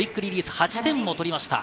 ８点を取りました。